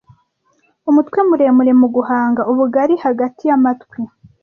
Umutwe muremure mu gahanga, ubugari hagati yamatwi,